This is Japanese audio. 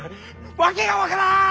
訳が分からん！